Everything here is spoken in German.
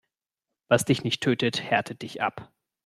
Was dich nicht tötet, härtet dich ab.